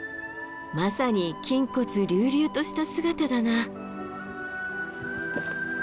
まさに筋骨隆々とした姿だな。